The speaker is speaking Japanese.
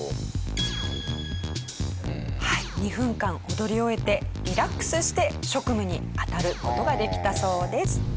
２分間踊り終えてリラックスして職務に当たる事ができたそうです。